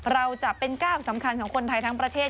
เราจะเป็นก้าวสำคัญของคนไทยทั้งประเทศ